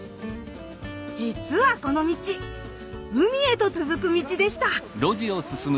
じつはこの道海へと続く道でした！